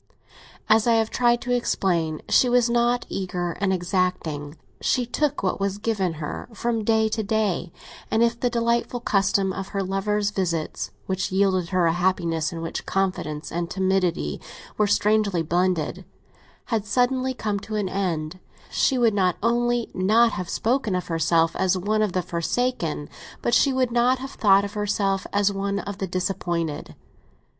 As I have tried to explain, she was not eager and exacting; she took what was given her from day to day; and if the delightful custom of her lover's visits, which yielded her a happiness in which confidence and timidity were strangely blended, had suddenly come to an end, she would not only not have spoken of herself as one of the forsaken, but she would not have thought of herself as one of the disappointed.